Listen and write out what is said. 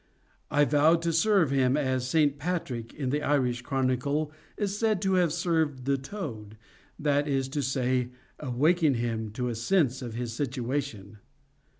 I vowed to serve him as St. Patrick, in the Irish chronicle, is said to have served the toad,—that is to say, "awaken him to a sense of his situation."